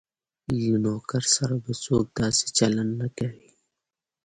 له نوکر سره به څوک داسې چلند نه کوي.